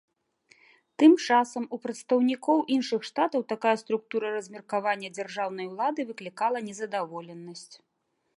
Тым часам, у прадстаўнікоў іншых штатаў такая структура размеркавання дзяржаўнай улады выклікала незадаволенасць.